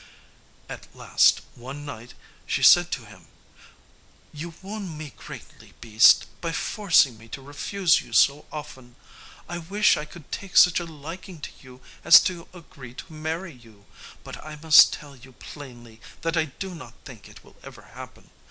At last, one night, she said to him, "You wound me greatly, beast, by forcing me to refuse you so often; I wish I could take such a liking to you as to agree to marry you, but I must tell you plainly that I do not think it will ever happen.